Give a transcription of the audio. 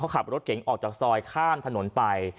ขับรถเก๋งออกจากซอยข้ามถนนไป